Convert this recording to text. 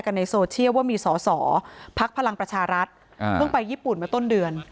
ก็มีสอสอพลักษณ์พลังประชารัฐเมื่อไปญี่ปุ่นมาต้นเดือน